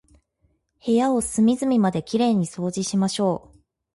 部屋を隅々まで綺麗に掃除しましょう。